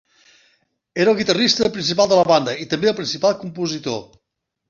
Era el guitarrista principal de la banda i també el principal compositor.